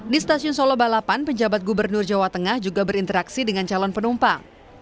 di stasiun solo balapan pejabat gubernur jawa tengah juga berinteraksi dengan calon penumpang